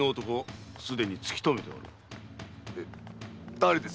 誰です